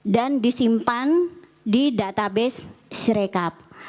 dan disimpan di database sirecap